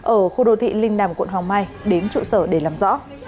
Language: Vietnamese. ở khu đô thị linh đàm quận hoàng mai đến trụ sở để làm rõ